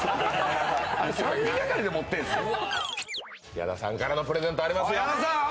矢田さんからのプレゼントありますよ。